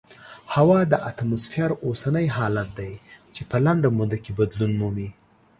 هوا د اتموسفیر اوسنی حالت دی چې په لنډه موده کې بدلون مومي.